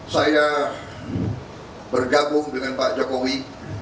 saya bergabung dengan pak jokowi